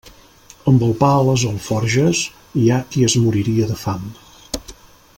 Amb el pa a les alforges, hi ha qui es moriria de fam.